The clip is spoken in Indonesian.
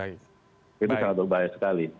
itu sangat berbahaya sekali